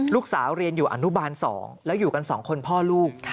ลูกสาวเรียนอยู่อนุบาล๒แล้วอยู่กัน๒คนพ่อลูก